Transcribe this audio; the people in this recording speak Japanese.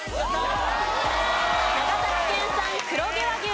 長崎県産黒毛和牛。